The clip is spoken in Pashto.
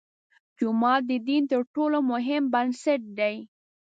جومات د دین تر ټولو مهم بنسټ دی.